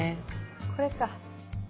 これか。